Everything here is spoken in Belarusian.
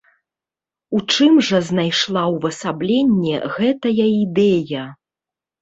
У чым жа знайшла ўвасабленне гэтая ідэя?